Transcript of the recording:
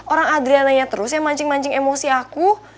orang adriananya terus yang mancing mancing emosi aku